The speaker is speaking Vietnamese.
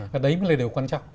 và đấy mới là điều quan trọng